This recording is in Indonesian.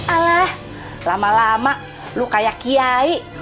alah lama lama lu kayak kiai